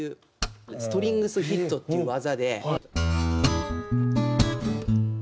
ストリングス・ヒットっていう技で。